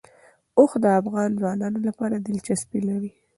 اوښ د افغان ځوانانو لپاره دلچسپي لري.